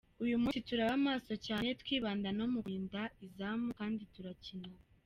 Uyu munsi turaba maso cyane twibanda no mu kurinda izamu kandi turakina‘.